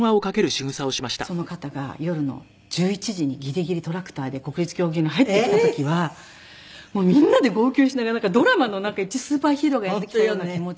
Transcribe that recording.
その方が夜の１１時にギリギリトラクターで国立競技場に入ってきた時はみんなで号泣しながらドラマのいちスーパーヒーローがやって来たような気持ちで。